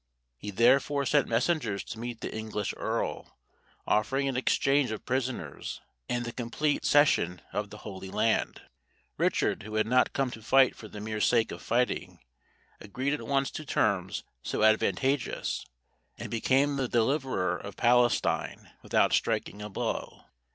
He therefore sent messengers to meet the English earl, offering an exchange of prisoners and the complete cession of the Holy Land. Richard, who had not come to fight for the mere sake of fighting, agreed at once to terms so advantageous, and became the deliverer of Palestine without striking a blow.